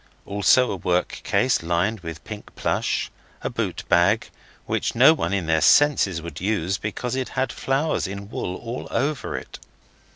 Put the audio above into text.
Also a work case lined with pink plush, a boot bag, which no one in their senses would use because it had flowers in wool all over it.